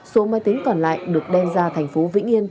số máy tính còn lại được đem ra thành phố vĩnh yên